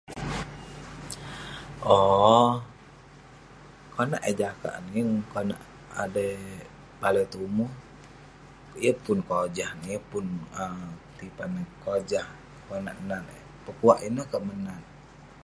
Owk, konak eh jakak neh yeng konak erei alai tumu. Yeng pun kojah neh, yeng pun tipan eh kojah, konak nat eh. Pekuak ineh kek menat eh.